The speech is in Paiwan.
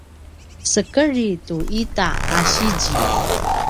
sekedri tu ita a sizi